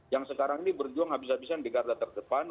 yang sekarang ini berjuang habis habisan di garda terdepan